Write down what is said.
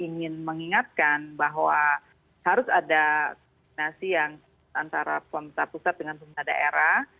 kita ingin mengingatkan bahwa harus ada kombinasi antara pemerintah pusat dengan pemerintah daerah